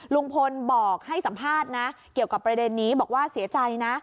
ลุงพลบอกให้สัมภาษณ์นะเกี่ยวกับประเด็นนี้บอกว่าเสียใจนะ